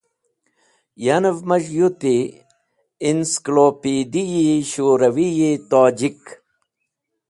Yanev maz̃h yuti Insklopidi-e Shurawi-e Tojik.